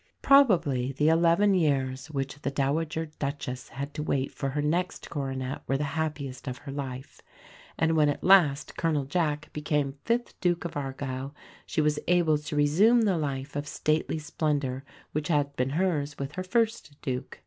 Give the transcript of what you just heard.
Probably the eleven years which the Dowager Duchess had to wait for her next coronet were the happiest of her life; and when at last Colonel Jack became fifth Duke of Argyll she was able to resume the life of stately splendour which had been hers with her first Duke.